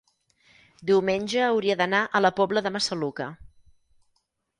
diumenge hauria d'anar a la Pobla de Massaluca.